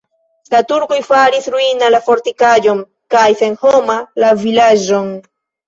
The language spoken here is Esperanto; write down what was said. La turkoj faris ruina la fortikaĵon kaj senhoma la vilaĝon.